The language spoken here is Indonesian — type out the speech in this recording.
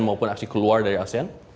maupun aksi keluar dari asean